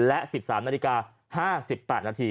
และ๑๓นาฬิกา๕๘นาที